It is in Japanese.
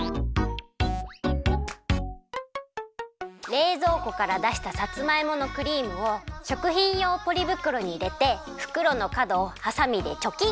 れいぞうこからだしたさつまいものクリームをしょくひんようポリぶくろにいれてふくろのかどをはさみでチョキン！